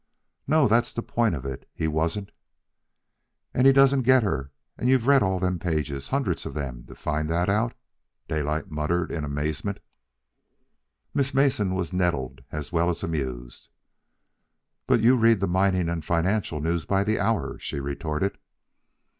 "No; that's the point of it. He wasn't " "And he doesn't get her, and you've read all them pages, hundreds of them, to find that out?" Daylight muttered in amazement. Miss Mason was nettled as well as amused. "But you read the mining and financial news by the hour," she retorted.